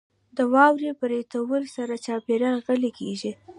• د واورې پرېوتو سره چاپېریال غلی کېږي.